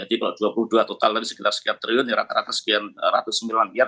jadi kalau dua puluh dua total sekitar sekian triliun ya rata rata sekian ratusan miliar